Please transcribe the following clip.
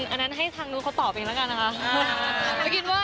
อันนั้นให้ทางนู้นเขาตอบเองแล้วกันนะคะ